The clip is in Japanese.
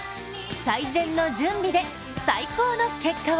最善の準備で最高の連覇を。